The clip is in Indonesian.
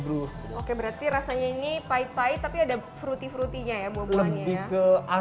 brew oke berarti rasanya ini pahit pahit tapi ada fruity fruity nya ya buah buahnya ya lebih ke